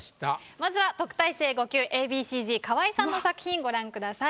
まずは特待生５級Ａ．Ｂ．Ｃ−Ｚ河合さんの作品ご覧ください。